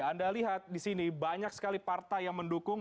anda lihat di sini banyak sekali partai yang mendukung